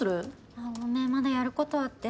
あっごめんまだやることあって。